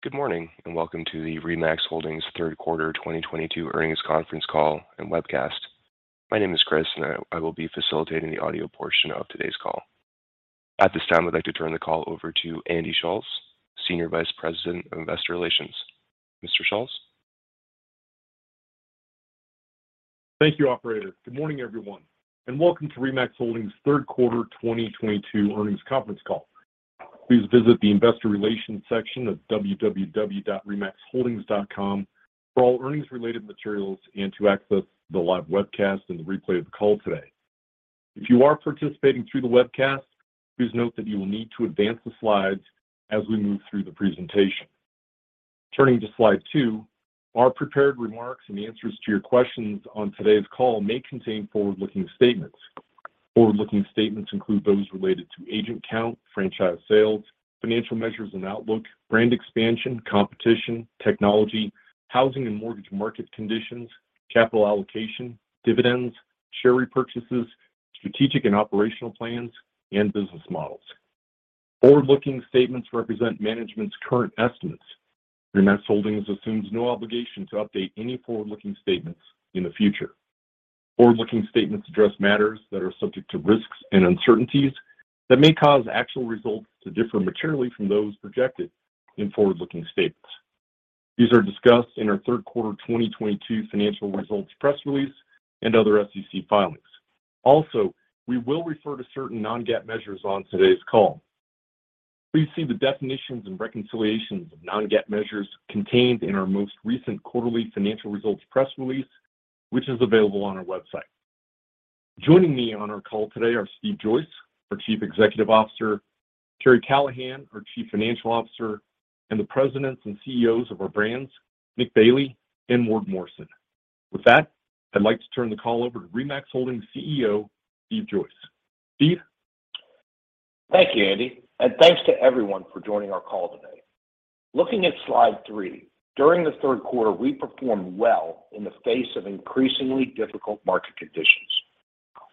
Good morning, and welcome to the RE/MAX Holdings Third Quarter 2022 Earnings Conference Call and Webcast. My name is Chris, and I will be facilitating the audio portion of today's call. At this time, I'd like to turn the call over to Andy Schulz, Senior Vice President of Investor Relations. Mr. Schulz? Thank you, operator. Good morning, everyone, and welcome to RE/MAX Holdings Third Quarter 2022 Earnings Conference Call. Please visit the investor relations section at www.remaxholdings.com for all earnings-related materials and to access the live webcast and the replay of the call today. If you are participating through the webcast, please note that you will need to advance the slides as we move through the presentation. Turning to slide two, our prepared remarks and the answers to your questions on today's call may contain forward-looking statements. Forward-looking statements include those related to agent count, franchise sales, financial measures and outlook, brand expansion, competition, technology, housing and mortgage market conditions, capital allocation, dividends, share repurchases, strategic and operational plans, and business models. Forward-looking statements represent management's current estimates, and RE/MAX Holdings assumes no obligation to update any forward-looking statements in the future. Forward-looking statements address matters that are subject to risks and uncertainties that may cause actual results to differ materially from those projected in forward-looking statements. These are discussed in our third quarter 2022 financial results press release and other SEC filings. Also, we will refer to certain non-GAAP measures on today's call. Please see the definitions and reconciliations of non-GAAP measures contained in our most recent quarterly financial results press release, which is available on our website. Joining me on our call today are Steve Joyce, our Chief Executive Officer, Karri Callahan, our Chief Financial Officer, and the presidents and CEOs of our brands, Nick Bailey and Ward Morrison. With that, I'd like to turn the call over to RE/MAX Holdings CEO, Steve Joyce. Steve? Thank you, Andy, and thanks to everyone for joining our call today. Looking at slide three, during the third quarter, we performed well in the face of increasingly difficult market conditions.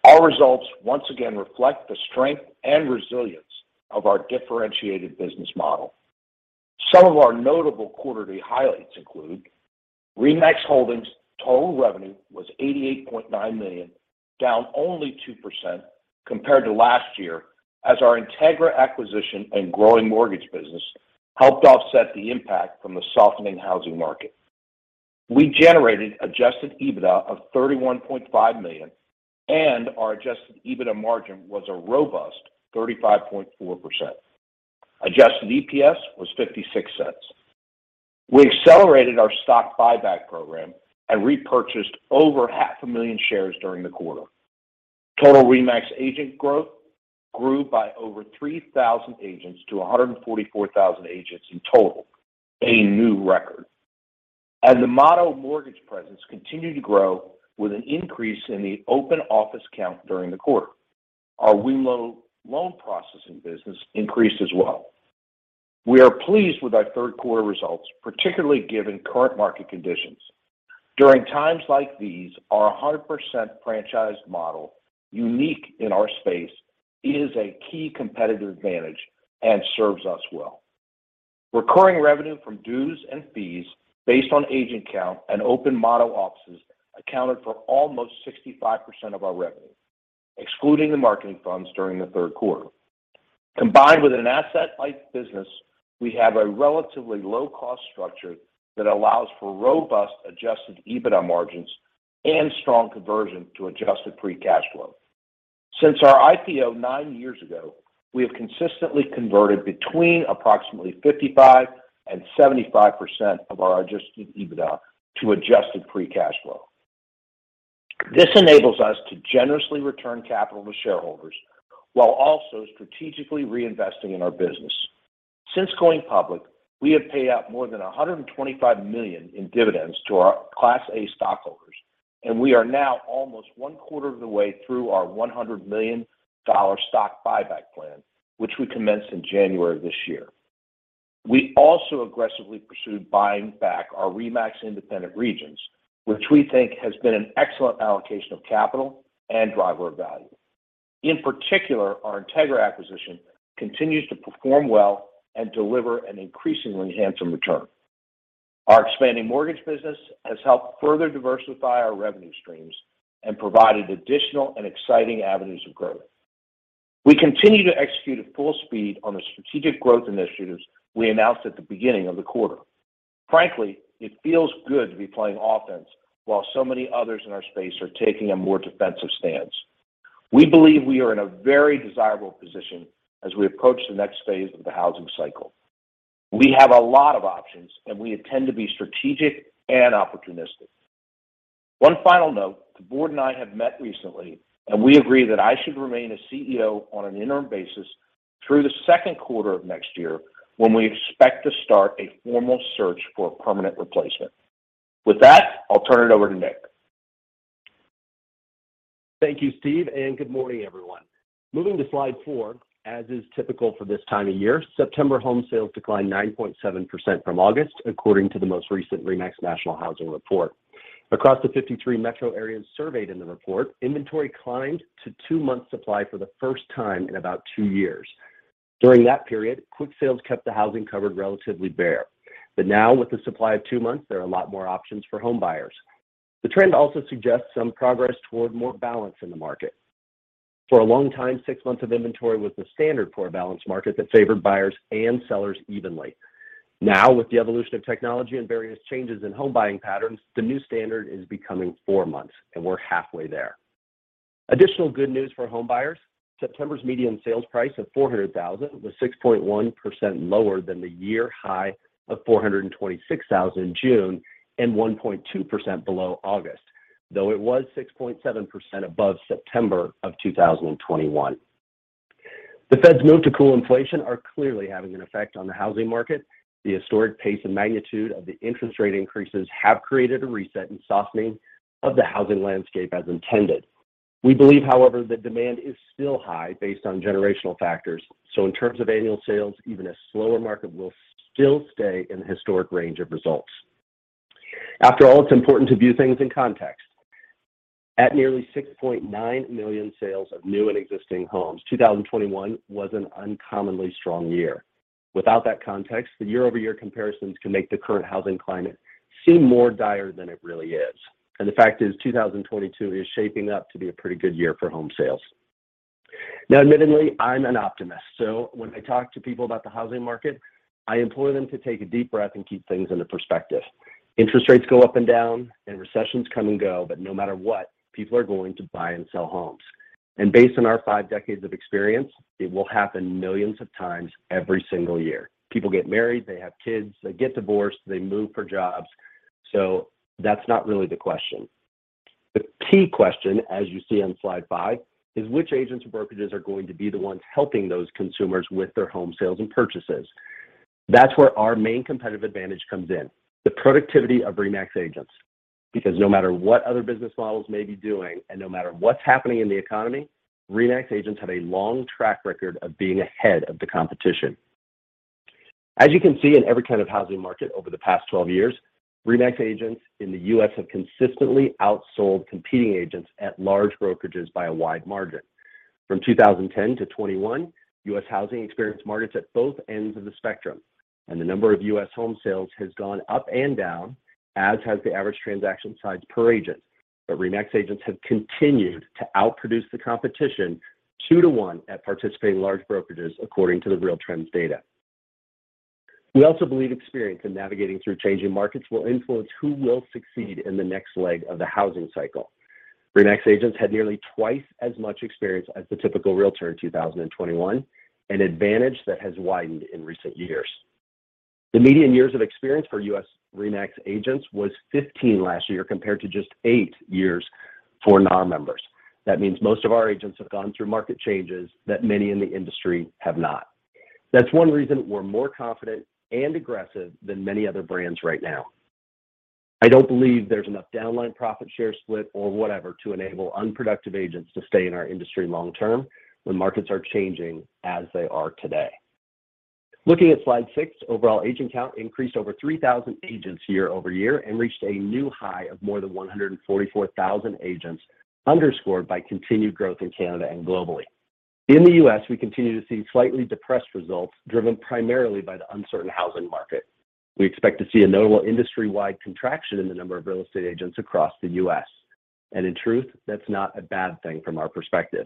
Our results once again reflect the strength and resilience of our differentiated business model. Some of our notable quarterly highlights include RE/MAX Holdings' total revenue was $88.9 million, down only 2% compared to last year as our INTEGRA acquisition and growing mortgage business helped offset the impact from the softening housing market. We generated adjusted EBITDA of $31.5 million, and our adjusted EBITDA margin was a robust 35.4%. Adjusted EPS was $0.56. We accelerated our stock buyback program and repurchased over half a million shares during the quarter. Total RE/MAX agent growth grew by over 3,000 agents to 144,000 agents in total, a new record. As the Motto Mortgage presence continued to grow with an increase in the open office count during the quarter, our wemlo loan processing business increased as well. We are pleased with our third quarter results, particularly given current market conditions. During times like these, our 100% franchised model, unique in our space, is a key competitive advantage and serves us well. Recurring revenue from dues and fees based on agent count and open Motto offices accounted for almost 65% of our revenue, excluding the marketing funds during the third quarter. Combined with an asset-light business, we have a relatively low cost structure that allows for robust adjusted EBITDA margins and strong conversion to Adjusted Free Cash Flow. Since our IPO nine years ago, we have consistently converted between approximately 55%-75% of our adjusted EBITDA to Adjusted Free Cash Flow. This enables us to generously return capital to shareholders while also strategically reinvesting in our business. Since going public, we have paid out more than $125 million in dividends to our Class A stockholders, and we are now almost one quarter of the way through our $100 million stock buyback plan, which we commenced in January this year. We also aggressively pursued buying back our RE/MAX independent regions, which we think has been an excellent allocation of capital and driver of value. In particular, our INTEGRA acquisition continues to perform well and deliver an increasingly handsome return. Our expanding mortgage business has helped further diversify our revenue streams and provided additional and exciting avenues of growth. We continue to execute at full speed on the strategic growth initiatives we announced at the beginning of the quarter. Frankly, it feels good to be playing offense while so many others in our space are taking a more defensive stance. We believe we are in a very desirable position as we approach the next phase of the housing cycle. We have a lot of options, and we intend to be strategic and opportunistic. One final note, the board and I have met recently, and we agree that I should remain as CEO on an interim basis through the second quarter of next year when we expect to start a formal search for a permanent replacement. With that, I'll turn it over to Nick. Thank you, Steve, and good morning, everyone. Moving to slide four, as is typical for this time of year, September home sales declined 9.7% from August, according to the most recent RE/MAX national housing report. Across the 53 metro areas surveyed in the report, inventory climbed to two months supply for the first time in about two years. During that period, quick sales kept the housing market relatively bare. Now with the supply of two months, there are a lot more options for home buyers. The trend also suggests some progress toward more balance in the market. For a long time, six months of inventory was the standard for a balanced market that favored buyers and sellers evenly. Now, with the evolution of technology and various changes in home buying patterns, the new standard is becoming four months, and we're halfway there. Additional good news for home buyers, September's median sales price of $400,000 was 6.1% lower than the year high of $426,000 in June and 1.2% below August, though it was 6.7% above September 2021. The Fed's move to cool inflation are clearly having an effect on the housing market. The historic pace and magnitude of the interest rate increases have created a reset and softening of the housing landscape as intended. We believe, however, the demand is still high based on generational factors. So in terms of annual sales, even a slower market will still stay in the historic range of results. After all, it's important to view things in context. At nearly 6.9 million sales of new and existing homes, 2021 was an uncommonly strong year. Without that context, the year-over-year comparisons can make the current housing climate seem more dire than it really is. The fact is, 2022 is shaping up to be a pretty good year for home sales. Now, admittedly, I'm an optimist, so when I talk to people about the housing market, I implore them to take a deep breath and keep things into perspective. Interest rates go up and down, and recessions come and go, but no matter what, people are going to buy and sell homes. Based on our five decades of experience, it will happen millions of times every single year. People get married, they have kids, they get divorced, they move for jobs. That's not really the question. The key question, as you see on slide five, is which agents or brokerages are going to be the ones helping those consumers with their home sales and purchases. That's where our main competitive advantage comes in, the productivity of RE/MAX agents. Because no matter what other business models may be doing, and no matter what's happening in the economy, RE/MAX agents have a long track record of being ahead of the competition. As you can see in every kind of housing market over the past 12 years, RE/MAX agents in the U.S. have consistently outsold competing agents at large brokerages by a wide margin. From 2010 to 2021, U.S. housing experienced markets at both ends of the spectrum, and the number of U.S. home sales has gone up and down, as has the average transaction size per agent. RE/MAX agents have continued to outproduce the competition 2-to-1 at participating large brokerages, according to the RealTrends data. We also believe experience in navigating through changing markets will influence who will succeed in the next leg of the housing cycle. RE/MAX agents had nearly twice as much experience as the typical Realtor in 2021, an advantage that has widened in recent years. The median years of experience for U.S. RE/MAX agents was 15 last year, compared to just eight years for non-members. That means most of our agents have gone through market changes that many in the industry have not. That's one reason we're more confident and aggressive than many other brands right now. I don't believe there's enough downline profit share split or whatever to enable unproductive agents to stay in our industry long term when markets are changing as they are today. Looking at slide six, overall agent count increased over 3,000 agents year over year and reached a new high of more than 144,000 agents, underscored by continued growth in Canada and globally. In the U.S., we continue to see slightly depressed results driven primarily by the uncertain housing market. We expect to see a notable industry-wide contraction in the number of real estate agents across the U.S. In truth, that's not a bad thing from our perspective.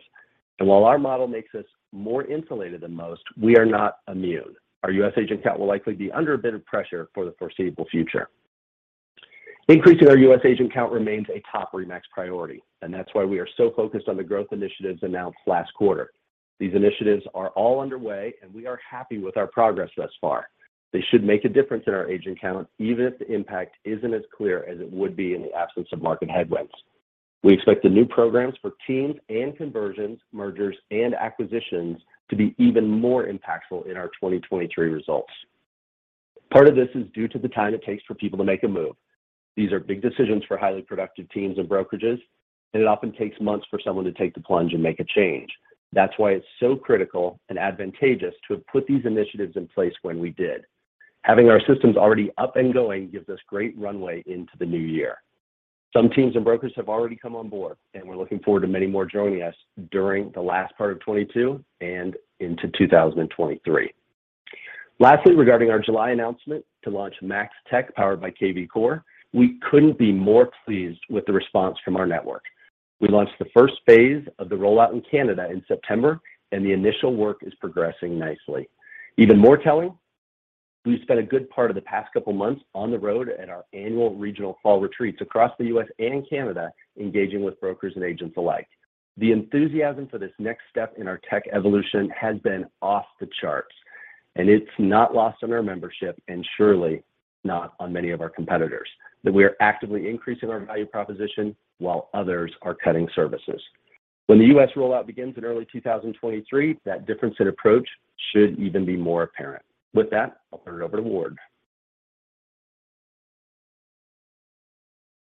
While our model makes us more insulated than most, we are not immune. Our U.S. agent count will likely be under a bit of pressure for the foreseeable future. Increasing our U.S. agent count remains a top RE/MAX priority, and that's why we are so focused on the growth initiatives announced last quarter. These initiatives are all underway, and we are happy with our progress thus far. They should make a difference in our agent count, even if the impact isn't as clear as it would be in the absence of market headwinds. We expect the new programs for teams and conversions, mergers, and acquisitions to be even more impactful in our 2023 results. Part of this is due to the time it takes for people to make a move. These are big decisions for highly productive teams and brokerages, and it often takes months for someone to take the plunge and make a change. That's why it's so critical and advantageous to have put these initiatives in place when we did. Having our systems already up and going gives us great runway into the new year. Some teams and brokers have already come on board, and we're looking forward to many more joining us during the last part of 2022 and into 2023. Lastly, regarding our July announcement to launch MAX/Tech powered by kvCORE, we couldn't be more pleased with the response from our network. We launched the first phase of the rollout in Canada in September, and the initial work is progressing nicely. Even more telling, we've spent a good part of the past couple months on the road at our annual regional fall retreats across the U.S. and Canada, engaging with brokers and agents alike. The enthusiasm for this next step in our tech evolution has been off the charts, and it's not lost on our membership, and surely not on many of our competitors, that we are actively increasing our value proposition while others are cutting services. When the U.S. rollout begins in early 2023, that difference in approach should even be more apparent. With that, I'll turn it over to Ward.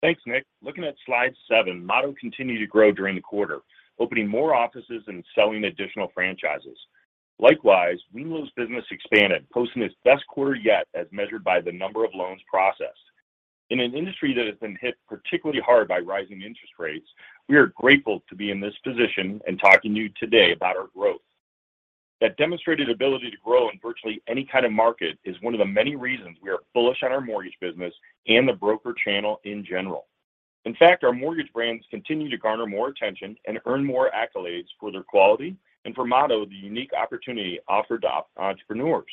Thanks, Nick. Looking at slide seven, Motto continued to grow during the quarter, opening more offices and selling additional franchises. Likewise, wemlo's business expanded, posting its best quarter yet as measured by the number of loans processed. In an industry that has been hit particularly hard by rising interest rates, we are grateful to be in this position and talking to you today about our growth. That demonstrated ability to grow in virtually any kind of market is one of the many reasons we are bullish on our mortgage business and the broker channel in general. In fact, our mortgage brands continue to garner more attention and earn more accolades for their quality and for Motto, the unique opportunity offered to entrepreneurs.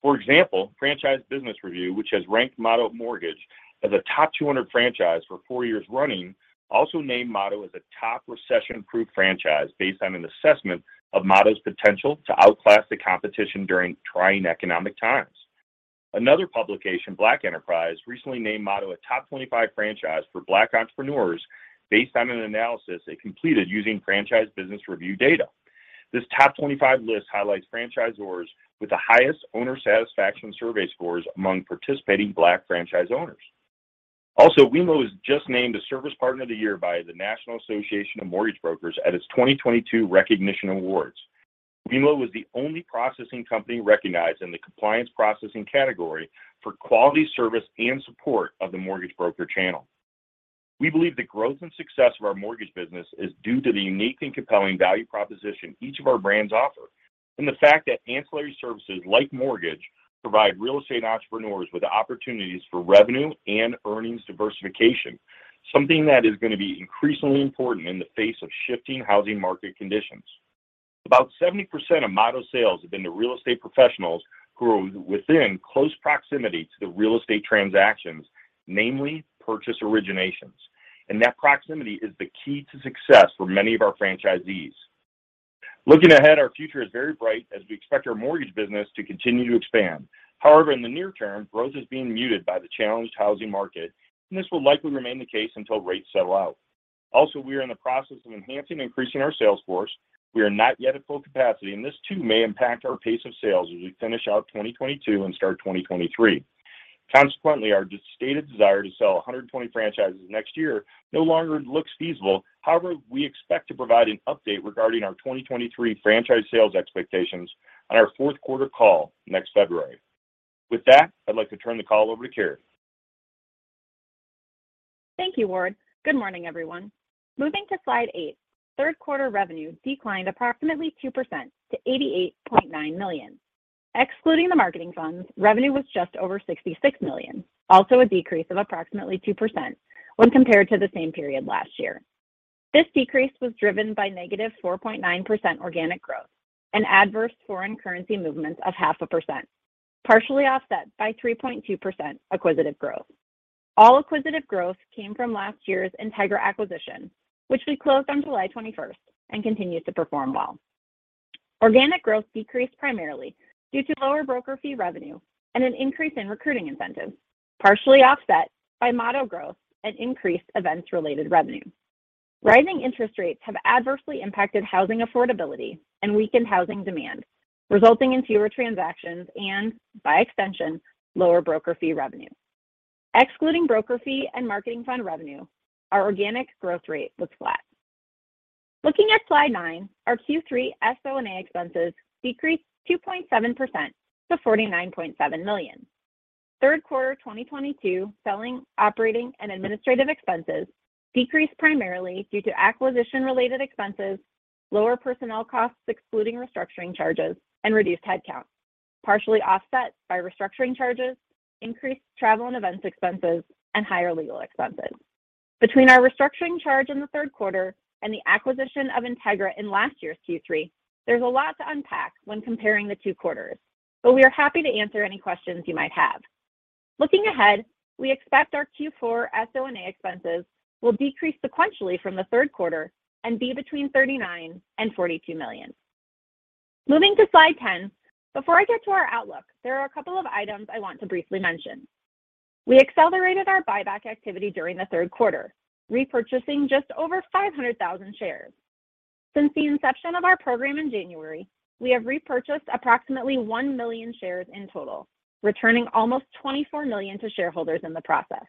For example, Franchise Business Review, which has ranked Motto Mortgage as a top 200 franchise for four years running, also named Motto as a top recession-proof franchise based on an assessment of Motto's potential to outclass the competition during trying economic times. Another publication, Black Enterprise, recently named Motto a top 25 franchise for black entrepreneurs based on an analysis it completed using Franchise Business Review data. This top 25 list highlights franchisors with the highest owner satisfaction survey scores among participating black franchise owners. Also, wemlo was just named the Service Partner of the Year by the National Association of Mortgage Brokers at its 2022 recognition awards. Wemlo was the only processing company recognized in the compliance processing category for quality service and support of the mortgage broker channel. We believe the growth and success of our mortgage business is due to the unique and compelling value proposition each of our brands offer, and the fact that ancillary services like mortgage provide real estate entrepreneurs with opportunities for revenue and earnings diversification, something that is gonna be increasingly important in the face of shifting housing market conditions. About 70% of Motto sales have been to real estate professionals who are within close proximity to the real estate transactions, namely purchase originations. That proximity is the key to success for many of our franchisees. Looking ahead, our future is very bright as we expect our mortgage business to continue to expand. However, in the near term, growth is being muted by the challenged housing market, and this will likely remain the case until rates settle out. Also, we are in the process of enhancing and increasing our sales force. We are not yet at full capacity, and this too may impact our pace of sales as we finish out 2022 and start 2023. Consequently, our stated desire to sell 120 franchises next year no longer looks feasible. However, we expect to provide an update regarding our 2023 franchise sales expectations on our fourth quarter call next February. With that, I'd like to turn the call over to Karri. Thank you, Ward. Good morning, everyone. Moving to slide eight, third quarter revenue declined approximately 2% to $88.9 million. Excluding the marketing funds, revenue was just over $66 million, also a decrease of approximately 2% when compared to the same period last year. This decrease was driven by negative 4.9% organic growth and adverse foreign currency movements of 0.5%, partially offset by 3.2% acquisitive growth. All acquisitive growth came from last year's INTEGRA acquisition, which we closed on July 21st and continues to perform well. Organic growth decreased primarily due to lower broker fee revenue and an increase in recruiting incentives, partially offset by Motto growth and increased events-related revenue. Rising interest rates have adversely impacted housing affordability and weakened housing demand, resulting in fewer transactions and, by extension, lower broker fee revenue. Excluding broker fee and marketing fund revenue, our organic growth rate was flat. Looking at slide nine, our Q3 SO&A expenses decreased 2.7% to $49.7 million. Third quarter 2022 selling, operating, and administrative expenses decreased primarily due to acquisition-related expenses, lower personnel costs excluding restructuring charges, and reduced headcount, partially offset by restructuring charges, increased travel and events expenses, and higher legal expenses. Between our restructuring charge in the third quarter and the acquisition of INTEGRA in last year's Q3, there's a lot to unpack when comparing the two quarters, but we are happy to answer any questions you might have. Looking ahead, we expect our Q4 SO&A expenses will decrease sequentially from the third quarter and be between $39 million and $42 million. Moving to slide 10, before I get to our outlook, there are a couple of items I want to briefly mention. We accelerated our buyback activity during the third quarter, repurchasing just over 500,000 shares. Since the inception of our program in January, we have repurchased approximately 1 million shares in total, returning almost $24 million to shareholders in the process.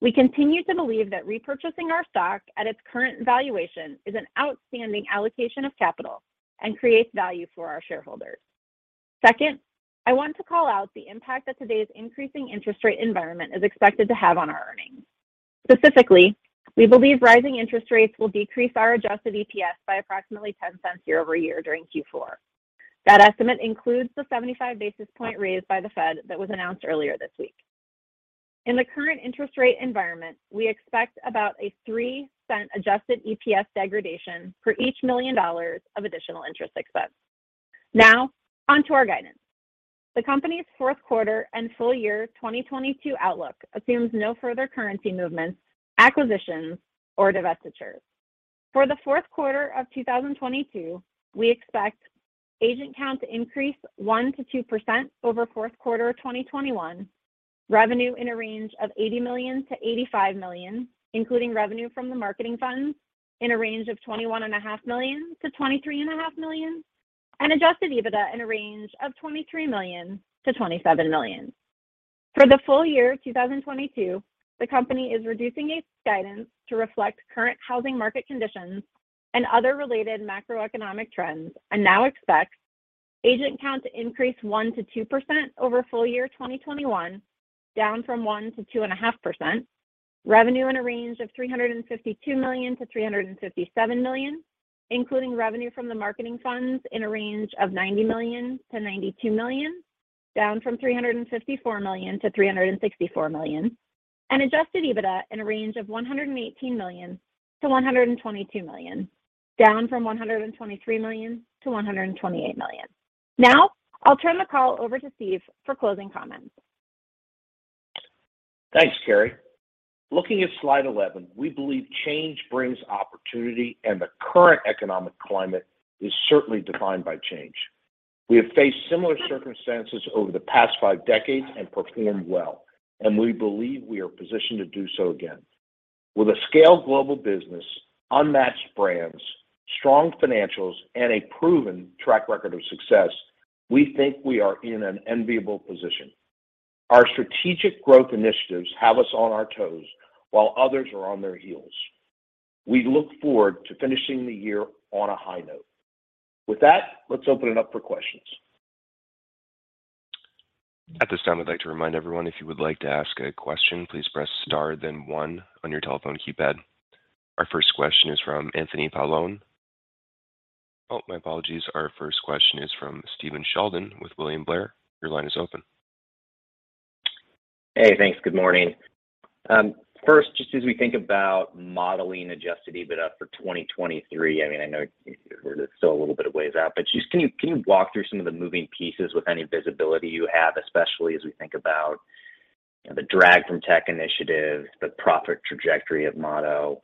We continue to believe that repurchasing our stock at its current valuation is an outstanding allocation of capital and creates value for our shareholders. Second, I want to call out the impact that today's increasing interest rate environment is expected to have on our earnings. Specifically, we believe rising interest rates will decrease our Adjusted EPS by approximately $0.10 year-over-year during Q4. That estimate includes the 75 basis point raised by the Fed that was announced earlier this week. In the current interest rate environment, we expect about a $0.03 Adjusted EPS degradation for each $1 million of additional interest expense. Now, onto our guidance. The company's fourth quarter and full-year 2022 outlook assumes no further currency movements, acquisitions, or divestitures. For the fourth quarter of 2022, we expect agent count to increase 1%-2% over fourth quarter of 2021, revenue in a range of $80 million-$85 million, including revenue from the marketing funds in a range of $21.5 million-$23.5 million, and adjusted EBITDA in a range of $23 million-$27 million. For the full year 2022, the company is reducing its guidance to reflect current housing market conditions and other related macroeconomic trends, and now expects agent count to increase 1%-2% over full year 2021, down from 1%-2.5%. Revenue in a range of $352 million-$357 million, including revenue from the marketing funds in a range of $90 million-$92 million, down from $354 million-$364 million. Adjusted EBITDA in a range of $118 million-$122 million, down from $123 million-$128 million. Now, I'll turn the call over to Steve for closing comments. Thanks, Karri. Looking at slide 11, we believe change brings opportunity, and the current economic climate is certainly defined by change. We have faced similar circumstances over the past five decades and performed well, and we believe we are positioned to do so again. With a scaled global business, unmatched brands, strong financials, and a proven track record of success, we think we are in an enviable position. Our strategic growth initiatives have us on our toes while others are on their heels. We look forward to finishing the year on a high note. With that, let's open it up for questions. At this time, I'd like to remind everyone, if you would like to ask a question, please press star then one on your telephone keypad. Our first question is from Anthony Paolone. Oh, my apologies. Our first question is from Stephen Sheldon with William Blair. Your line is open. Hey, thanks. Good morning. First, just as we think about modeling adjusted EBITDA for 2023, I mean, I know it's still a little bit of ways out, but just can you walk through some of the moving pieces with any visibility you have, especially as we think about the drag from tech initiatives, the profit trajectory of Motto?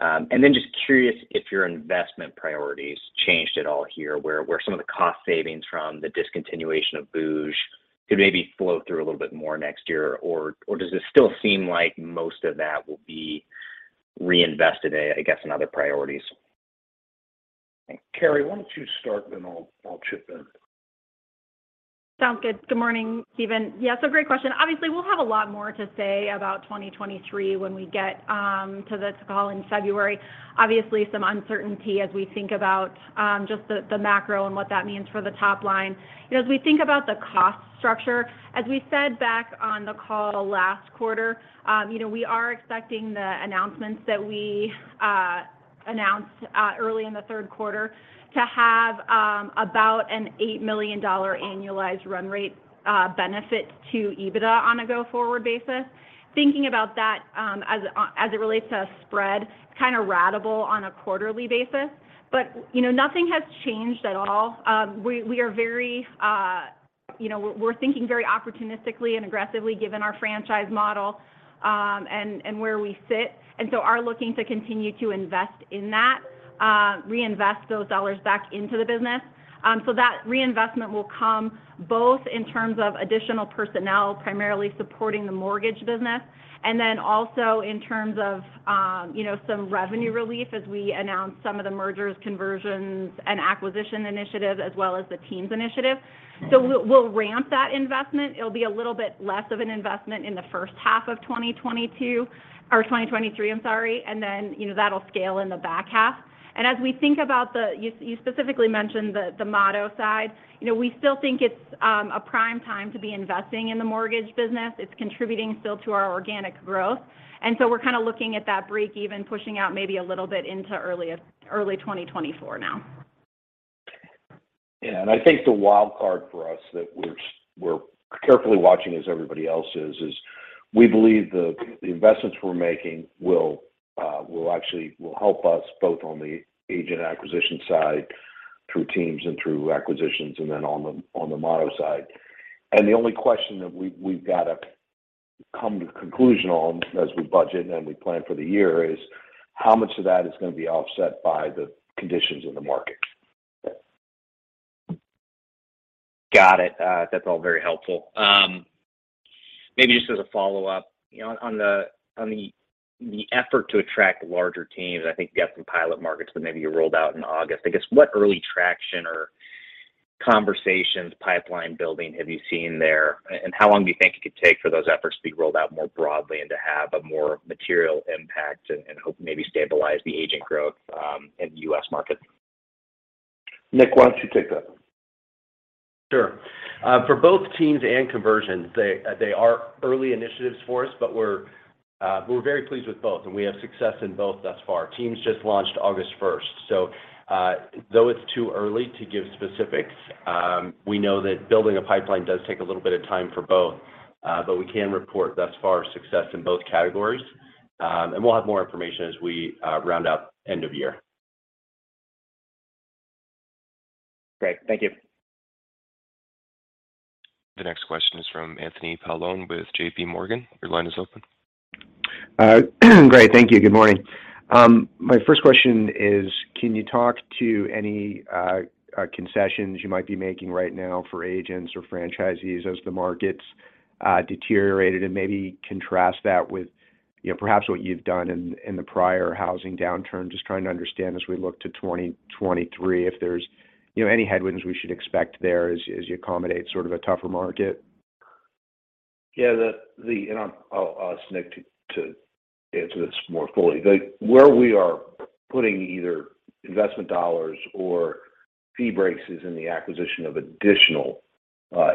Just curious if your investment priorities changed at all here, where some of the cost savings from the discontinuation of booj could maybe flow through a little bit more next year, or does it still seem like most of that will be reinvested, I guess, in other priorities? Karri, why don't you start, then I'll chip in. Sounds good. Good morning, Stephen. Yeah, so great question. Obviously, we'll have a lot more to say about 2023 when we get to this call in February. Obviously, some uncertainty as we think about just the macro and what that means for the top line. You know, as we think about the cost structure, as we said back on the call last quarter, you know, we are expecting the announcements that we announced early in the third quarter to have about an $8 million annualized run rate benefit to EBITDA on a go-forward basis. Thinking about that, as it relates to spread, it's kind of ratable on a quarterly basis. You know, nothing has changed at all. We are very, you know, we're thinking very opportunistically and aggressively given our franchise model, and where we sit, and so are looking to continue to invest in that, reinvest those dollars back into the business. That reinvestment will come both in terms of additional personnel, primarily supporting the mortgage business, and then also in terms of, you know, some revenue relief as we announce some of the mergers, conversions, and acquisition initiatives, as well as the teams initiative. We'll ramp that investment. It'll be a little bit less of an investment in the first half of 2022, or 2023, I'm sorry, and then, you know, that'll scale in the back half. As we think about the, you specifically mentioned the Motto side. You know, we still think it's a prime time to be investing in the mortgage business. It's contributing still to our organic growth. We're kind of looking at that break even pushing out maybe a little bit into early 2024 now. Yeah. I think the wild card for us that we're carefully watching as everybody else is we believe the investments we're making will actually help us both on the agent acquisition side through teams and through acquisitions, and then on the Motto side. The only question that we've got to come to conclusion on as we budget and we plan for the year is how much of that is going to be offset by the conditions in the market? Got it. That's all very helpful. Maybe just as a follow-up. You know, on the effort to attract larger teams, I think you have some pilot markets that maybe you rolled out in August. I guess what early traction or conversations, pipeline building have you seen there? How long do you think it could take for those efforts to be rolled out more broadly and to have a more material impact and help maybe stabilize the agent growth in the US market? Nick, why don't you take that? Sure. For both teams and conversions, they are early initiatives for us, but we're very pleased with both, and we have success in both thus far. Teams just launched August first. Though it's too early to give specifics, we know that building a pipeline does take a little bit of time for both, but we can report thus far success in both categories. We'll have more information as we round up end of year. Great. Thank you. The next question is from Anthony Paolone with JP Morgan. Your line is open. Great. Thank you. Good morning. My first question is, can you talk to any concessions you might be making right now for agents or franchisees as the markets deteriorated, and maybe contrast that with, you know, perhaps what you've done in the prior housing downturn. Just trying to understand as we look to 2023, if there's, you know, any headwinds we should expect there as you accommodate sort of a tougher market. Yeah. I'll ask Nick to answer this more fully. Where we are putting either investment dollars or fee breaks is in the acquisition of additional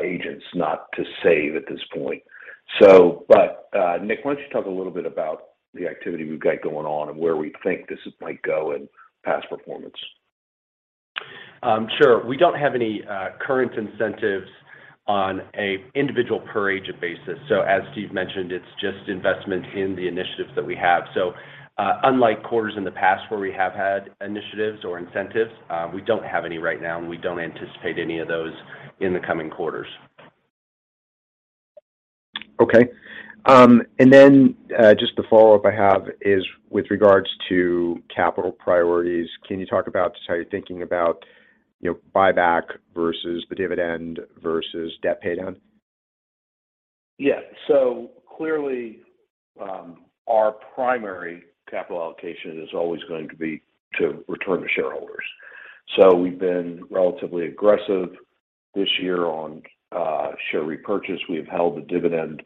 agents, not to save at this point. Nick, why don't you talk a little bit about the activity we've got going on and where we think this might go in past performance? Sure. We don't have any current incentives on an individual per agent basis. As Steve mentioned, it's just investment in the initiatives that we have. Unlike quarters in the past where we have had initiatives or incentives, we don't have any right now, and we don't anticipate any of those in the coming quarters. Okay. Just the follow-up I have is with regards to capital priorities. Can you talk about just how you're thinking about, you know, buyback versus the dividend versus debt pay down? Yeah. Clearly, our primary capital allocation is always going to be to return to shareholders. We've been relatively aggressive this year on share repurchase. We have held the dividend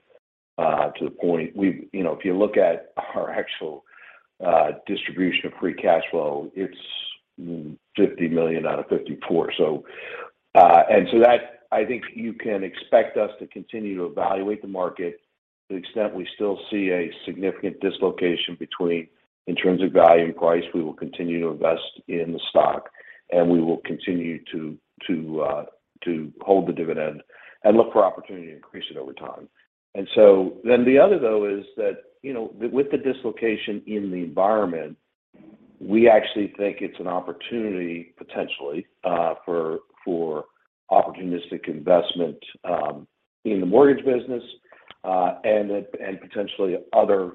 to the point we've you know if you look at our actual distribution of free cash flow, it's $50 million out of $54 million. And so that I think you can expect us to continue to evaluate the market to the extent we still see a significant dislocation between intrinsic value and price. We will continue to invest in the stock, and we will continue to hold the dividend and look for opportunity to increase it over time. The other thing is that, you know, with the dislocation in the environment, we actually think it's an opportunity potentially for opportunistic investment in the mortgage business and potentially other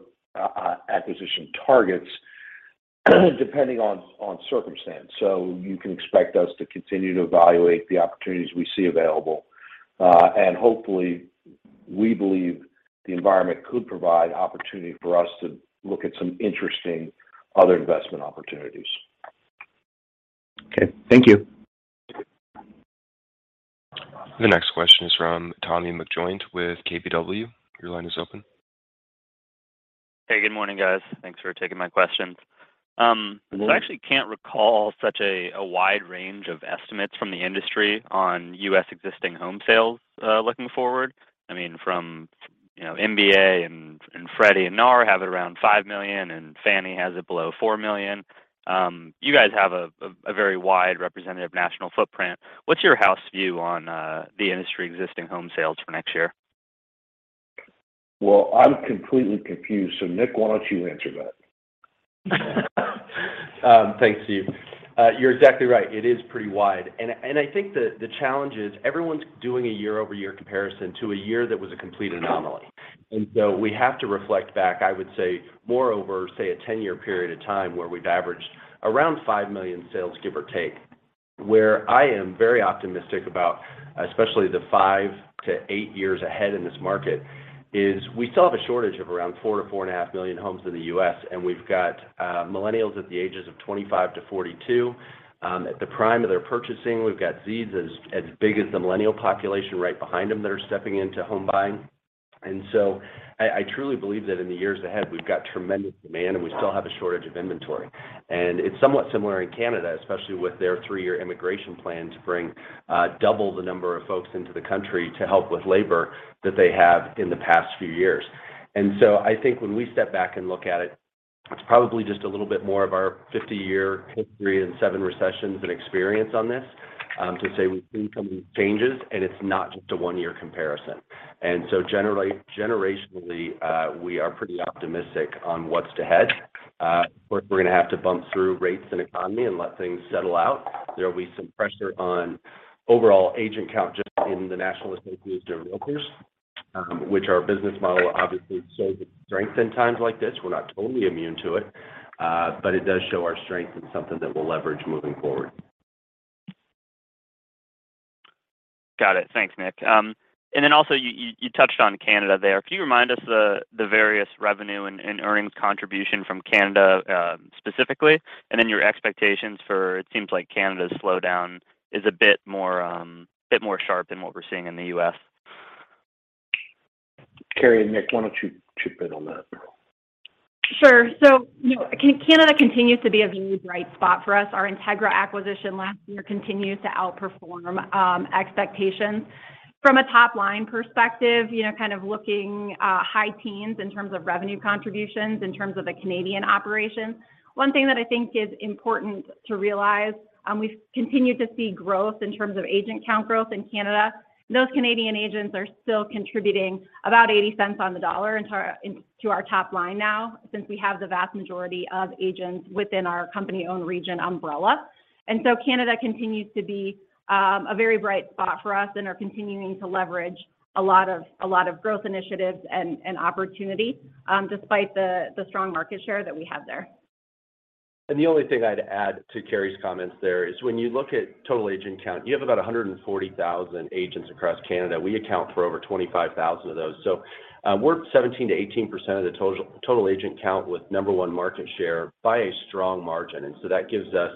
acquisition targets depending on circumstance. You can expect us to continue to evaluate the opportunities we see available. Hopefully, we believe the environment could provide opportunity for us to look at some interesting other investment opportunities. Okay. Thank you. The next question is from Tommy McJoynt with KBW. Your line is open. Hey, good morning, guys. Thanks for taking my questions. Good morning. I actually can't recall such a wide range of estimates from the industry on U.S. existing home sales, looking forward. I mean, you know, MBA and Freddie and NAR have it around 5 million, and Fannie has it below 4 million. You guys have a very wide representative national footprint. What's your house view on the industry existing home sales for next year? Well, I'm completely confused, so Nick, why don't you answer that? Thanks, Steve. You're exactly right. It is pretty wide. I think the challenge is everyone's doing a year-over-year comparison to a year that was a complete anomaly. We have to reflect back, I would say moreover, say a 10-year period of time where we've averaged around 5 million sales, give or take. I am very optimistic about, especially the five-eight years ahead in this market is we still have a shortage of around 4-4.5 million homes in the U.S., and we've got millennials at the ages of 25-42, at the prime of their purchasing. We've got Zs as big as the millennial population right behind them that are stepping into home buying. I truly believe that in the years ahead, we've got tremendous demand, and we still have a shortage of inventory. It's somewhat similar in Canada, especially with their three-year immigration plan to bring double the number of folks into the country to help with labor that they have in the past few years. I think when we step back and look at it's probably just a little bit more of our 50-year history and seven recessions and experience on this to say we've seen some changes and it's not just a one-year comparison. Generationally, we are pretty optimistic on what's to ahead. We're gonna have to bump through rates and economy and let things settle out. There'll be some pressure on overall agent count just in the National Association of Realtors, which our business model obviously shows its strength in times like this. We're not totally immune to it. It does show our strength and something that we'll leverage moving forward. Got it. Thanks, Nick. You touched on Canada there. Can you remind us the various revenue and earnings contribution from Canada, specifically? Your expectations for, it seems like Canada's slowdown is a bit more sharp than what we're seeing in the U.S. Karri and Nick, why don't you chip in on that? Sure. You know, Canada continues to be a really bright spot for us. Our INTEGRA acquisition last year continues to outperform expectations. From a top-line perspective, you know, kind of looking high teens in terms of revenue contributions in terms of the Canadian operations. One thing that I think is important to realize, we've continued to see growth in terms of agent count growth in Canada. Those Canadian agents are still contributing about $.80 on the dollar into our top line now, since we have the vast majority of agents within our company-owned region umbrella. Canada continues to be a very bright spot for us and are continuing to leverage a lot of growth initiatives and opportunity despite the strong market share that we have there. The only thing I'd add to Karri's comments there is when you look at total agent count, you have about 140,000 agents across Canada. We account for over 25,000 of those. We're 17%-18% of the total agent count with number one market share by a strong margin. That gives us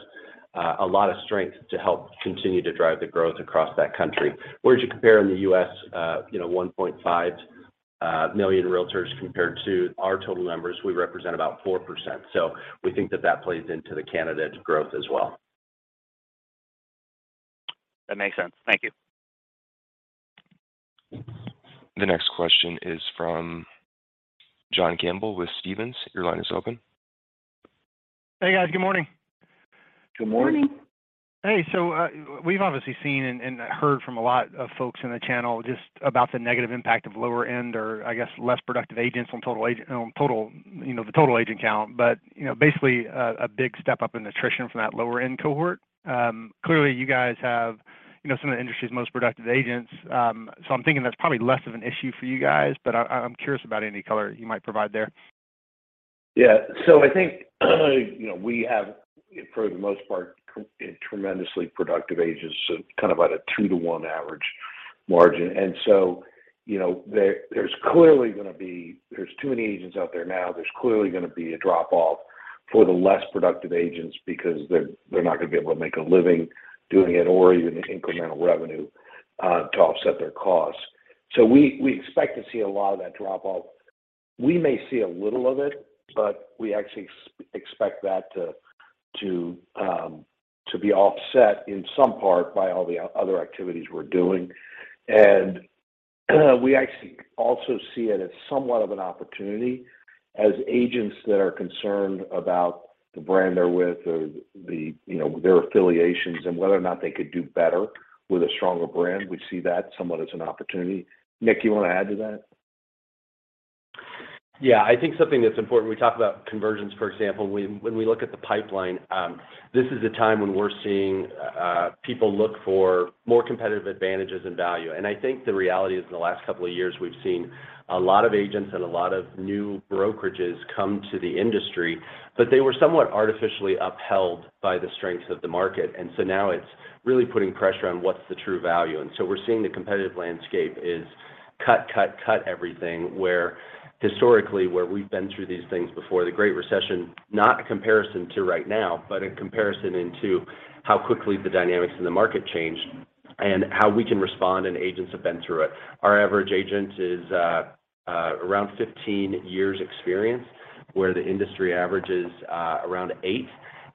a lot of strength to help continue to drive the growth across that country. Where do we compare in the U.S., you know, 1.5 million realtors compared to our total numbers, we represent about 4%. We think that plays into the Canadian growth as well. That makes sense. Thank you. The next question is from John Campbell with Stephens. Your line is open. Hey, guys. Good morning. Good morning. Good morning. Hey, we've obviously seen and heard from a lot of folks in the channel just about the negative impact of lower end or, I guess, less productive agents on the total agent count, but basically a big step up in attrition from that lower end cohort. Clearly, you guys have some of the industry's most productive agents, so I'm thinking that's probably less of an issue for you guys, but I'm curious about any color you might provide there. Yeah. I think, you know, we have, for the most part, tremendously productive agents, so kind of at a 2-to-1 average margin. You know, there's too many agents out there now. There's clearly gonna be a drop-off for the less productive agents because they're not gonna be able to make a living doing it or even incremental revenue to offset their costs. We expect to see a lot of that drop-off. We may see a little of it, but we actually expect that to be offset in some part by all the other activities we're doing. We actually also see it as somewhat of an opportunity as agents that are concerned about the brand they're with or the, you know, their affiliations and whether or not they could do better with a stronger brand. We see that somewhat as an opportunity. Nick, you wanna add to that? Yeah. I think something that's important, we talk about conversions, for example, when we look at the pipeline, this is a time when we're seeing people look for more competitive advantages and value. I think the reality is in the last couple of years, we've seen a lot of agents and a lot of new brokerages come to the industry, but they were somewhat artificially upheld by the strengths of the market. Now it's really putting pressure on what's the true value. We're seeing the competitive landscape is cut, cut everything, where historically, where we've been through these things before, the Great Recession, not a comparison to right now, but in comparison to how quickly the dynamics in the market changed and how we can respond, and agents have been through it. Our average agent is around 15 years experience, where the industry average is around eight.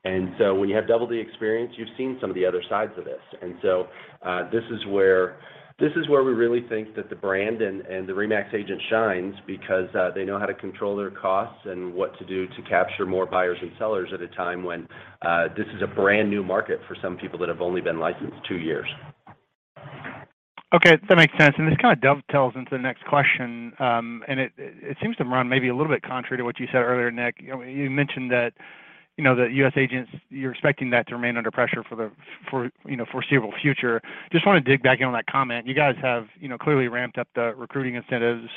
When you have double the experience, you've seen some of the other sides of this. This is where we really think that the brand and the RE/MAX agent shines because they know how to control their costs and what to do to capture more buyers and sellers at a time when this is a brand-new market for some people that have only been licensed two years. Okay. That makes sense. This kind of dovetails into the next question. It seems to run maybe a little bit contrary to what you said earlier, Nick. You know, you mentioned that, you know, the U.S. agents, you're expecting that to remain under pressure for the foreseeable future. Just wanna dig back in on that comment. You guys have, you know, clearly ramped up the recruiting incentives.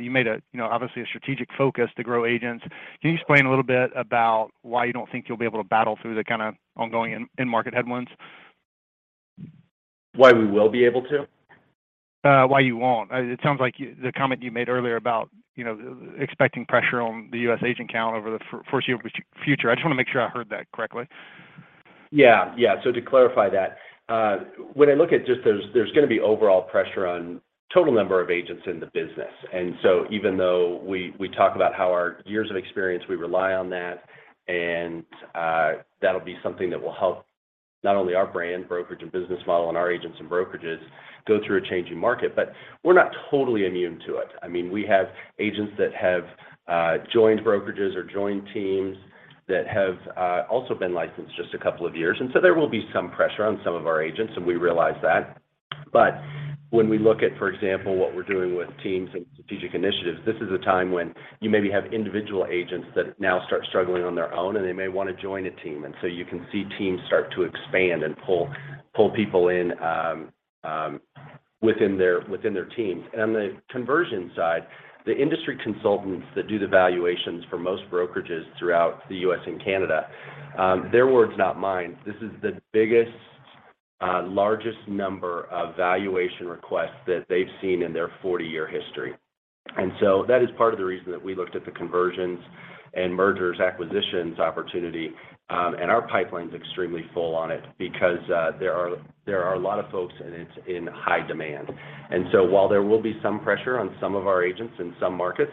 You made a, you know, obviously a strategic focus to grow agents. Can you explain a little bit about why you don't think you'll be able to battle through the kinda ongoing in-market headwinds? Why we will be able to? It sounds like you, the comment you made earlier about, you know, expecting pressure on the U.S. agent count over the foreseeable future. I just wanna make sure I heard that correctly. Yeah. Yeah. To clarify that, when I look at just, there's gonna be overall pressure on total number of agents in the business. Even though we talk about how our years of experience, we rely on that, and that'll be something that will help not only our brand, brokerage, and business model, and our agents and brokerages go through a changing market, but we're not totally immune to it. I mean, we have agents that have joined brokerages or joined teams that have also been licensed just a couple of years. There will be some pressure on some of our agents, and we realize that. When we look at, for example, what we're doing with teams and strategic initiatives, this is a time when you maybe have individual agents that now start struggling on their own, and they may wanna join a team. You can see teams start to expand and pull people in within their teams. On the conversion side, the industry consultants that do the valuations for most brokerages throughout the U.S. and Canada, their words, not mine. This is the biggest largest number of valuation requests that they've seen in their forty-year history. That is part of the reason that we looked at the conversions and mergers, acquisitions opportunity, and our pipeline's extremely full on it because there are a lot of folks, and it's in high demand. While there will be some pressure on some of our agents in some markets,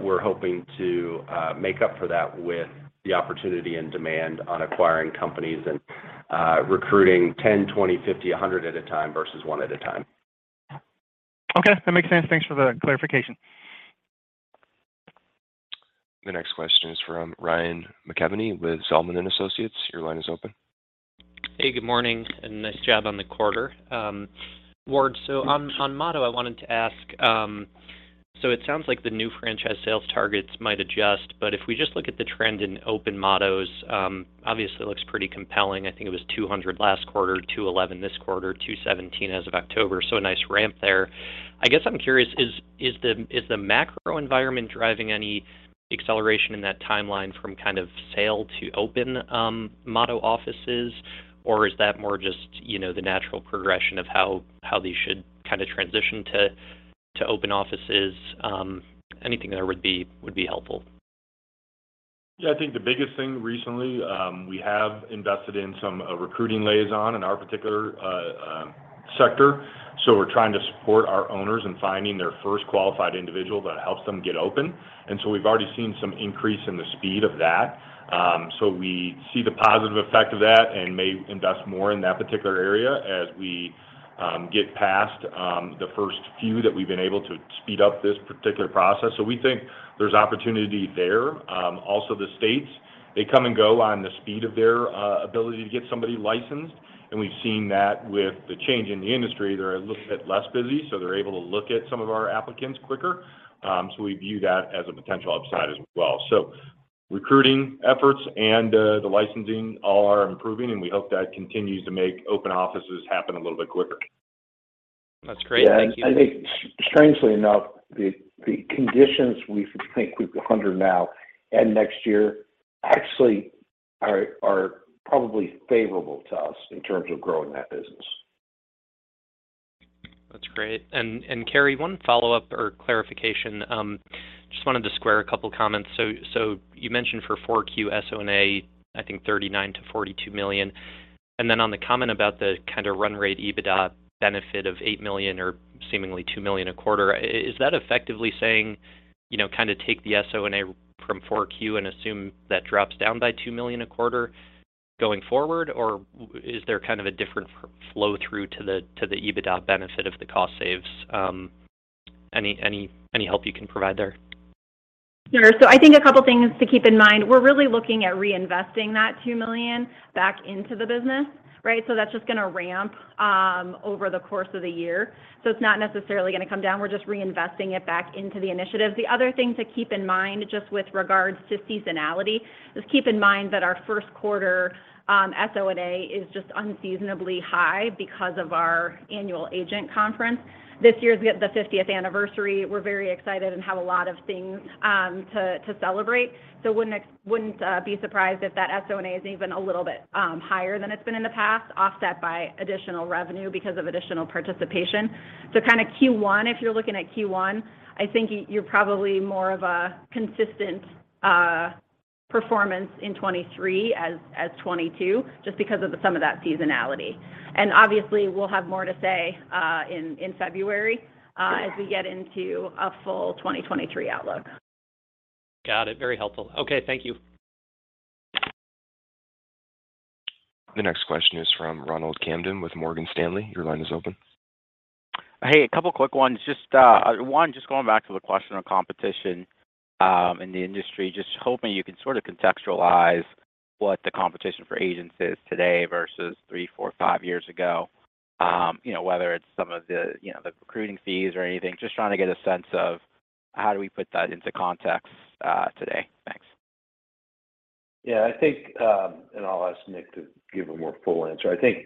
we're hoping to make up for that with the opportunity and demand on acquiring companies and recruiting 10, 20, 50, 100 at a time versus one at a time. Okay. That makes sense. Thanks for the clarification. The next question is from Ryan McKeveny with Zelman & Associates. Your line is open. Hey, good morning, and nice job on the quarter. Ward, so on Motto, I wanted to ask, so it sounds like the new franchise sales targets might adjust, but if we just look at the trend in open Mottos, obviously looks pretty compelling. I think it was 200 last quarter, 211 this quarter, 217 as of October. A nice ramp there. I guess I'm curious, is the macro environment driving any acceleration in that timeline from kind of sale to open Motto offices? Or is that more just, you know, the natural progression of how these should kinda transition to open offices? Anything there would be helpful. Yeah. I think the biggest thing recently, we have invested in some recruiting liaison in our particular sector, so we're trying to support our owners in finding their first qualified individual that helps them get open. We've already seen some increase in the speed of that. We see the positive effect of that and may invest more in that particular area as we get past the first few that we've been able to speed up this particular process. We think there's opportunity there. Also the states, they come and go on the speed of their ability to get somebody licensed, and we've seen that with the change in the industry. They're a little bit less busy, so they're able to look at some of our applicants quicker. We view that as a potential upside as well. Recruiting efforts and the licensing all are improving, and we hope that continues to make open offices happen a little bit quicker. That's great. Thank you. I think strangely enough, the conditions we think we're under now and next year actually are probably favorable to us in terms of growing that business. That's great. Karri, one follow-up or clarification. Just wanted to square a couple comments. You mentioned for 4Q SO&A, I think $39 million-$42 million. Then on the comment about the kinda run rate EBITDA benefit of $8 million or seemingly $2 million a quarter, is that effectively saying, you know, kinda take the SO&A from 4Q and assume that drops down by $2 million a quarter going forward? Or is there kind of a different flow through to the EBITDA benefit of the cost savings? Any help you can provide there? Sure. I think a couple things to keep in mind. We're really looking at reinvesting that $2 million back into the business, right? That's just gonna ramp over the course of the year, so it's not necessarily gonna come down. We're just reinvesting it back into the initiative. The other thing to keep in mind, just with regards to seasonality, is keep in mind that our first quarter SO&A is just unseasonably high because of our annual agent conference. This year is the 50th anniversary. We're very excited and have a lot of things to celebrate, so wouldn't be surprised if that SO&A is even a little bit higher than it's been in the past, offset by additional revenue because of additional participation. Kinda Q1, if you're looking at Q1, I think you're probably more of a consistent performance in 2023 as 2022, just because of some of that seasonality. Obviously, we'll have more to say in February as we get into a full 2023 outlook. Got it. Very helpful. Okay, thank you. The next question is from Ronald Kamdem with Morgan Stanley. Your line is open. Hey, a couple quick ones. Just, one, just going back to the question on competition, in the industry. Just hoping you can sort of contextualize what the competition for agents is today versus three, four, five years ago. You know, whether it's some of the, you know, the recruiting fees or anything, just trying to get a sense of how do we put that into context, today? Thanks. Yeah. I think and I'll ask Nick to give a more full answer. I think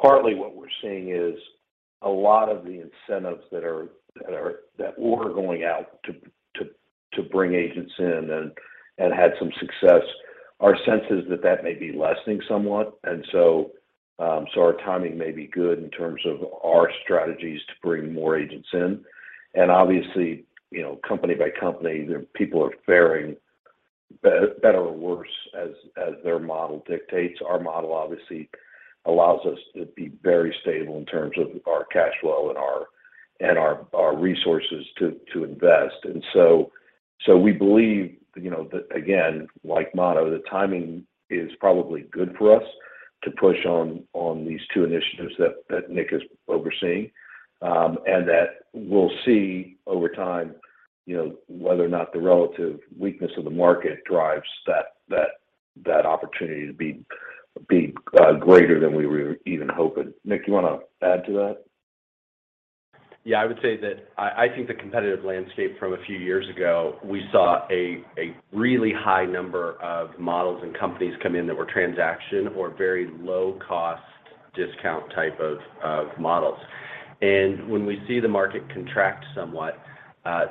partly what we're seeing is a lot of the incentives that were going out to bring agents in and had some success. Our sense is that that may be lessening somewhat, so our timing may be good in terms of our strategies to bring more agents in. Obviously, you know, company by company, the people are faring better or worse as their model dictates. Our model obviously allows us to be very stable in terms of our cash flow and our resources to invest. So we believe, you know, that again, like Motto, the timing is probably good for us to push on these two initiatives that Nick is overseeing. That we'll see over time, you know, whether or not the relative weakness of the market drives that opportunity to be greater than we were even hoping. Nick, you wanna add to that? Yeah. I would say that I think the competitive landscape from a few years ago, we saw a really high number of models and companies come in that were transaction or very low cost discount type of models. When we see the market contract somewhat,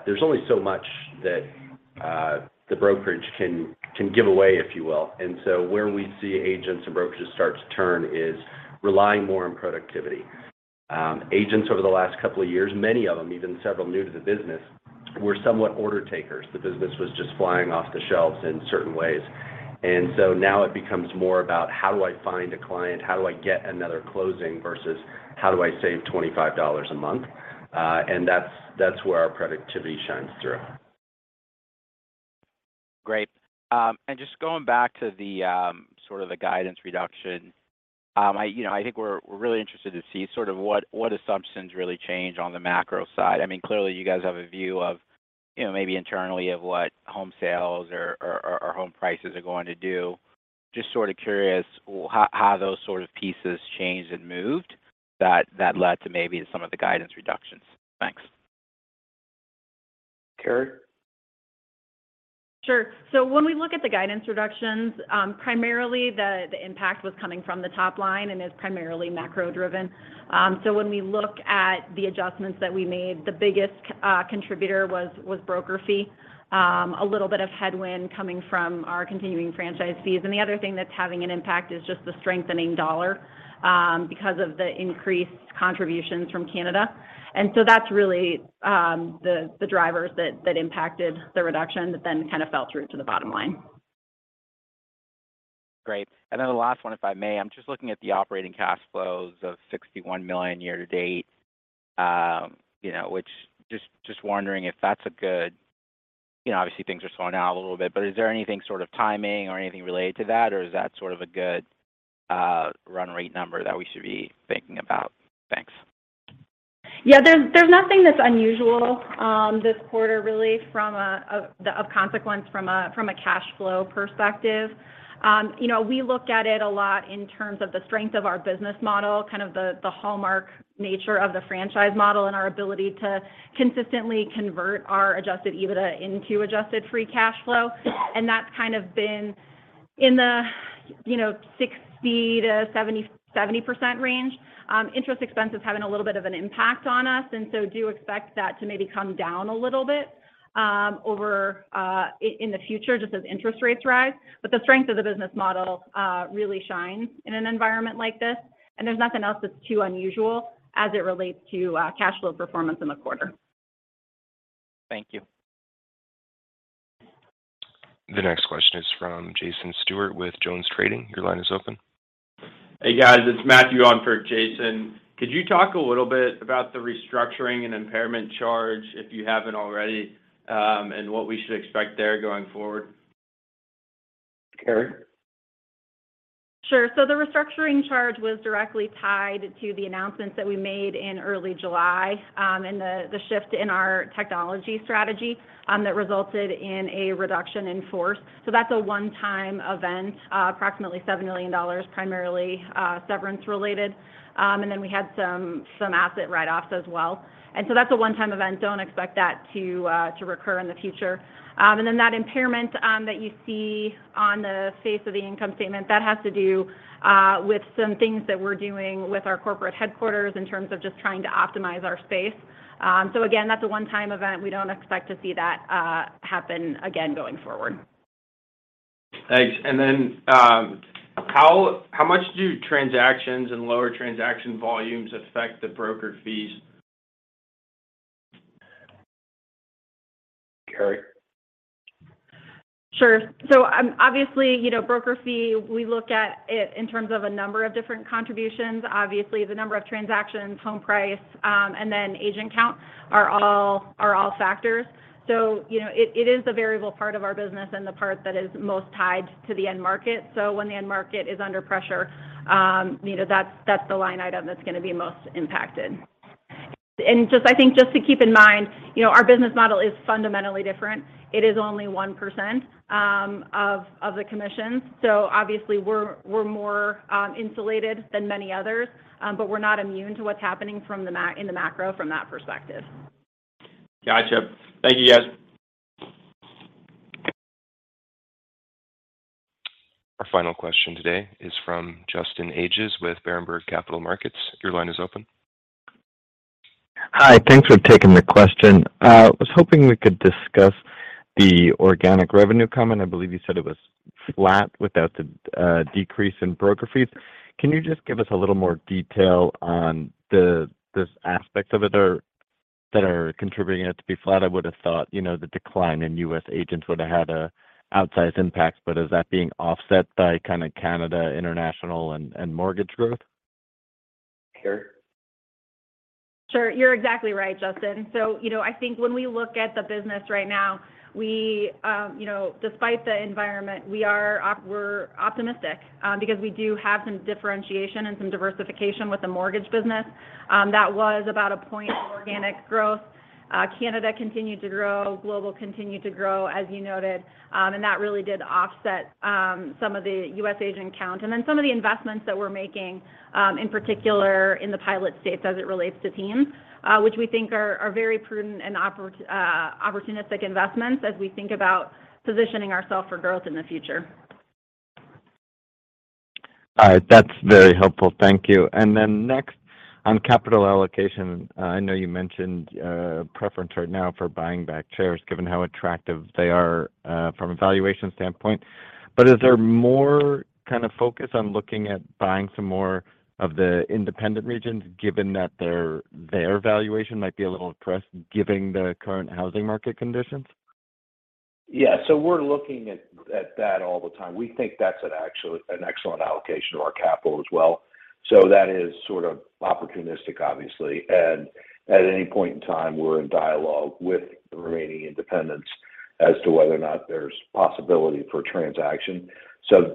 there's only so much that the brokerage can give away, if you will. Where we see agents and brokerages start to turn is relying more on productivity. Agents over the last couple of years, many of them, even several new to the business, were somewhat order takers. The business was just flying off the shelves in certain ways. Now it becomes more about how do I find a client, how do I get another closing, versus how do I save $25 a month? That's where our productivity shines through. Great. Just going back to the sort of the guidance reduction. You know, I think we're really interested to see sort of what assumptions really change on the macro side. I mean, clearly you guys have a view of, you know, maybe internally of what home sales or home prices are going to do. Just sort of curious how those sort of pieces changed and moved that led to maybe some of the guidance reductions. Thanks. Karri? Sure. When we look at the guidance reductions, primarily the impact was coming from the top line and is primarily macro-driven. When we look at the adjustments that we made, the biggest contributor was broker fee. A little bit of headwind coming from our continuing franchise fees. The other thing that's having an impact is just the strengthening dollar, because of the increased contributions from Canada. That's really the drivers that impacted the reduction that then kind of fell through to the bottom line. Great. The last one, if I may. I'm just looking at the operating cash flows of $61 million year to date. You know, which just wondering if that's a good. You know, obviously things are slowing down a little bit, but is there anything sort of timing or anything related to that? Or is that sort of a good run rate number that we should be thinking about? Thanks. Yeah, there's nothing that's unusual this quarter really from a point of consequence from a cash flow perspective. You know, we look at it a lot in terms of the strength of our business model, kind of the hallmark nature of the franchise model and our ability to consistently convert our adjusted EBITDA into Adjusted Free Cash Flow. That's kind of been in the, you know, 60%-70% range. Interest expense is having a little bit of an impact on us, and so do expect that to maybe come down a little bit over in the future, just as interest rates rise. The strength of the business model really shines in an environment like this. There's nothing else that's too unusual as it relates to cash flow performance in the quarter. Thank you. The next question is from Jason Stewart with JonesTrading. Your line is open. Hey, guys, it's Matthew on for Jason. Could you talk a little bit about the restructuring and impairment charge, if you haven't already, and what we should expect there going forward? Karri? The restructuring charge was directly tied to the announcements that we made in early July, and the shift in our technology strategy that resulted in a reduction in force. That's a one-time event, approximately $7 million, primarily severance-related. Then we had some asset write-offs as well. That's a one-time event. Don't expect that to recur in the future. Then that impairment that you see on the face of the income statement has to do with some things that we're doing with our corporate headquarters in terms of just trying to optimize our space. Again, that's a one-time event. We don't expect to see that happen again going forward. Thanks. How much do transactions and lower transaction volumes affect the broker fees? Karri? Sure. Obviously, you know, broker fee, we look at it in terms of a number of different contributions. Obviously, the number of transactions, home price, and then agent count are all factors. You know, it is the variable part of our business and the part that is most tied to the end market. When the end market is under pressure, you know, that's the line item that's gonna be most impacted. Just, I think just to keep in mind, you know, our business model is fundamentally different. It is only 1% of the commissions. Obviously we're more insulated than many others, but we're not immune to what's happening in the macro from that perspective. Gotcha. Thank you, guys. Our final question today is from Justin Ages with Berenberg Capital Markets. Your line is open. Hi. Thanks for taking the question. I was hoping we could discuss the organic revenue comment. I believe you said it was flat without the decrease in broker fees. Can you just give us a little more detail on this aspect of it that are contributing it to be flat? I would have thought, you know, the decline in U.S. agents would have had an outsized impact, but is that being offset by kind of Canada, international, and mortgage growth? Karri? Sure. You're exactly right, Justin. You know, I think when we look at the business right now, we, you know, despite the environment, we're optimistic because we do have some differentiation and some diversification with the mortgage business. That was about a point organic growth. Canada continued to grow. Global continued to grow, as you noted. That really did offset some of the US agent count. Some of the investments that we're making in particular in the pilot states as it relates to teams, which we think are very prudent and opportunistic investments as we think about positioning ourselves for growth in the future. All right. That's very helpful. Thank you. Next, on capital allocation, I know you mentioned preference right now for buying back shares given how attractive they are from a valuation standpoint. Is there more kind of focus on looking at buying some more of the independent regions given that their valuation might be a little depressed given the current housing market conditions? Yeah. We're looking at that all the time. We think that's an actually excellent allocation of our capital as well. That is sort of opportunistic obviously. At any point in time, we're in dialogue with the remaining independents as to whether or not there's possibility for a transaction.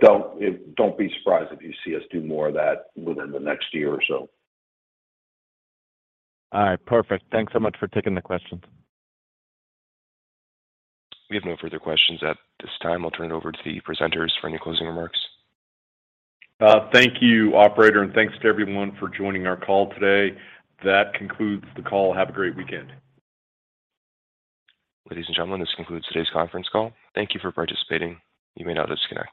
Don't be surprised if you see us do more of that within the next year or so. All right. Perfect. Thanks so much for taking the questions. We have no further questions at this time. I'll turn it over to the presenters for any closing remarks. Thank you, operator, and thanks to everyone for joining our call today. That concludes the call. Have a great weekend. Ladies and gentlemen, this concludes today's conference call. Thank you for participating. You may now disconnect.